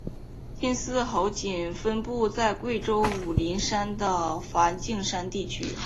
黔金丝猴仅分布在贵州武陵山的梵净山地区。